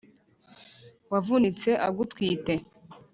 wavunitse agutwite,